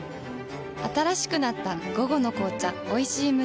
新しくなった「午後の紅茶おいしい無糖」